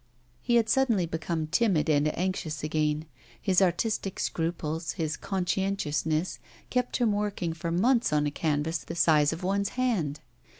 He had suddenly become timid and anxious again. His artistic scruples, his conscientiousness, kept him working for months on a canvas the size of one's hand.